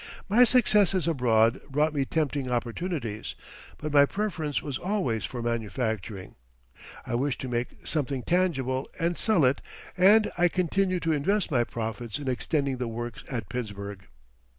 My successes abroad brought me tempting opportunities, but my preference was always for manufacturing. I wished to make something tangible and sell it and I continued to invest my profits in extending the works at Pittsburgh.